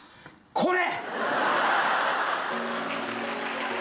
これ！